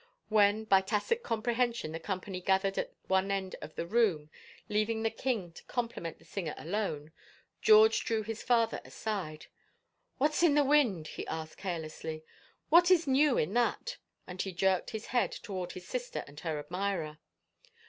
When, by tacit comprehension, the company gathered at one end of the room, leaving the king to compliment the singer alone, George drew his father aside. " What's in the wind ?" he asked carelessly. " What is new in that? " and he jerked his head toward his sister and her admirer.